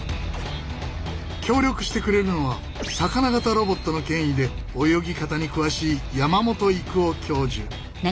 協力してくれるのは魚型ロボットの権威で泳ぎ方に詳しい山本郁夫教授。